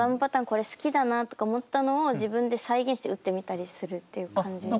これ好きだなとか思ったのを自分で再現して打ってみたりするっていう感じで。